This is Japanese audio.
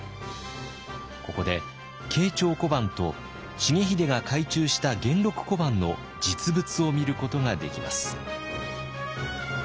ここで慶長小判と重秀が改鋳した元禄小判の実物を見ることができます。